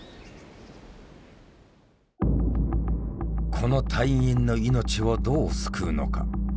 この隊員の命をどう救うのか。